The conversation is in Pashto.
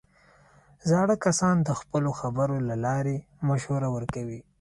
زاړه کسان د خپلو خبرو له لارې مشوره ورکوي